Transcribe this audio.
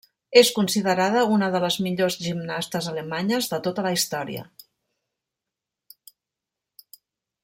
És considerada una de les millors gimnastes alemanyes de tota la història.